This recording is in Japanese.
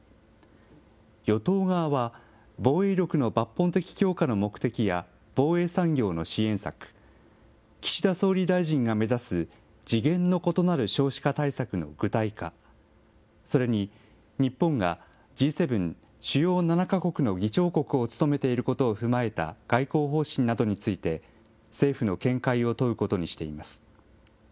与党側は防衛力の抜本的強化の目的や防衛産業の支援策、岸田総理大臣が目指す次元の異なる少子化対策の具体化、それに日本がＧ７・主要７か国の議長国を務めていることを踏まえた、外交方針などについて、政府の見解を問うことにしています。